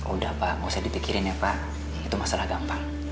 udah pak nggak usah dipikirin ya pak itu masalah gampang